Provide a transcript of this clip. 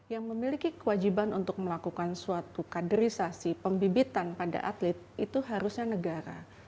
yang memiliki kewajiban untuk melakukan suatu kaderisasi pembibitan pada atlet itu harusnya negara